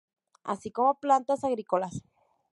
Así como plantas agrícolas.